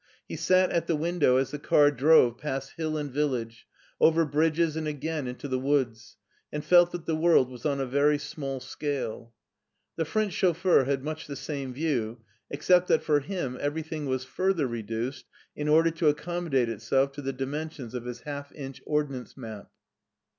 He sat at the window as the car drove past hill and village, over bridges and again into the woods, and felt that the world was on a very small scale. The French chauffeur had much the same view, ex cept that for him everything was further reduced in order to accommodate itself to the dimensions of his half inch ordnance map.